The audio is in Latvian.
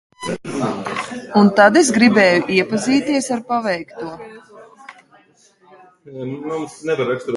Un tad es gribēju iepazīties ar paveikto.